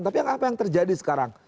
tapi apa yang terjadi sekarang